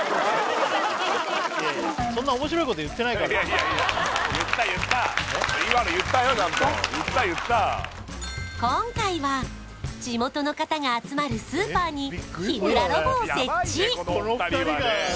いやいや今の言ったよちゃんと言った言った今回は地元の方が集まるスーパーに日村ロボを設置私？